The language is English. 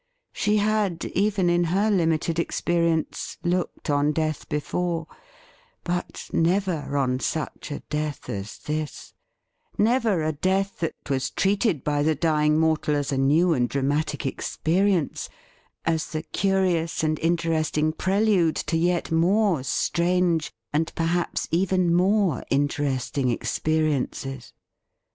She had, even in her limited experience, looked on death before, but never on such a death as this — never a death that was treated by the dying mortal as a new and dramatic experience, as the curious and interesting prelude to yet more strange, and perhaps even more interesting, experiences